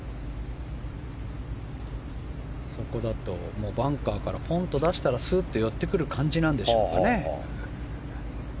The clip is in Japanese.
そこだとバンカーからポンと出したらすっと寄ってくる感じなんでしょうかね。